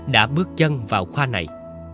đã bước chân vào khoa này